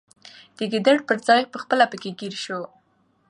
د ګیدړ پر ځای پخپله پکښي ګیر سو